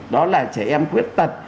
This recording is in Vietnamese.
đó là trẻ em quyết tật